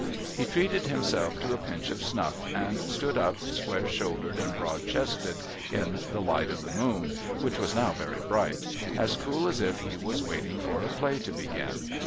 He treated himself to a pinch of snuff, and stood up, sc[uare shouldered and broad chested, in the light of the moon — which was now very bright — as cool as if he was waiting for a play to begin.